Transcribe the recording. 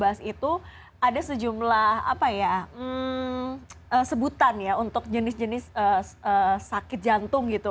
jadi penyakit jantung itu ada sejumlah sebutan untuk jenis jenis sakit jantung gitu